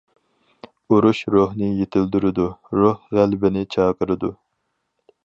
« ئۇرۇش روھنى يېتىلدۈرىدۇ، روھ غەلىبىنى چاقىرىدۇ».